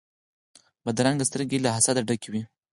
بدرنګه سترګې له حسده ډکې وي